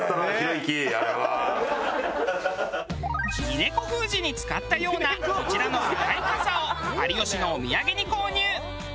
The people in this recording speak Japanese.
峰子封じに使ったようなこちらの赤い傘を有吉のお土産に購入。